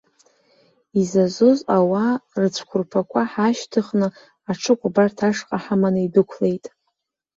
Изазоз ауаа рыцәқәырԥа ҳаашьҭыхны аҽыкәабарҭа ашҟа ҳаманы идәықәлеит.